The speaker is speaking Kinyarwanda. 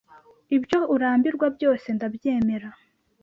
Ibyo urambwira byose ndabyemera,